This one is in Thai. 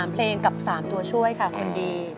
๓เพลงกับ๓ตัวช่วยค่ะคุณดี